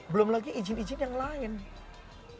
belum lagi izin izin yang lain nih